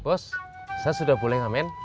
bos saya sudah boleh ngamen